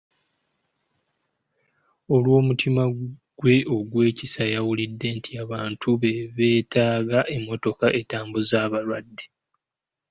Olw'omutima gwe ogw'ekisa, yawulidde nti abantu be beetaaga emmotoka etambuza abalwadde.